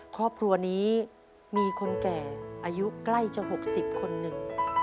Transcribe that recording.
ครอบครัวนี้มีคนแก่อายุใกล้จะ๖๐คนหนึ่ง